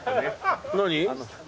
何？